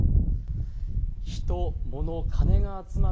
人、もの、金が集まる